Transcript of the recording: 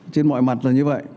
trên mọi mặt là như vậy